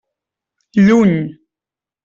Lluny.